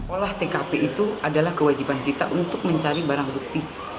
olah tkp itu adalah kewajiban kita untuk mencari barang bukti